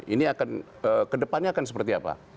ini akan kedepannya akan seperti apa